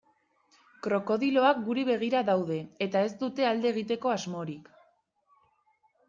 Krokodiloak guri begira daude eta ez dute alde egiteko asmorik.